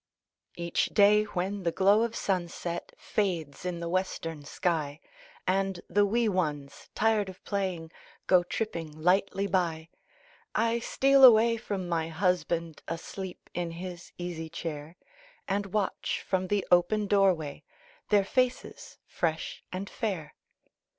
Each day, when the glow of sunset Fades in the western sky, And the wee ones, tired of playing, Go tripping lightly by, I steal away from my husband, Asleep in his easy chair, And watch from the open door way Their faces fresh and fair.